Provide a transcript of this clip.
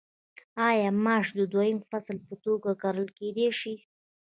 آیا ماش د دویم فصل په توګه کرل کیدی شي؟